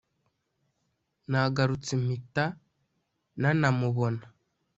nagarutse mpita na namubona